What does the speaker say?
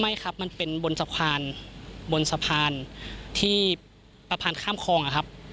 ไม่ครับมันเป็นบนสะพานบนสะพานที่สะพานข้ามคลองอะครับ